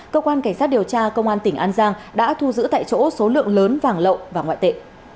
cơ quan cảnh sát điều tra công an tỉnh an giang đã thu giữ tại chỗ số lượng lớn vàng lậu và ngoại tệ